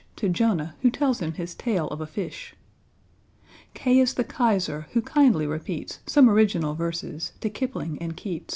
To =J=onah, who tells him his tale of a fish. =K= is the =K=aiser, who kindly repeats Some original verses to =K=ipling and =K=eats.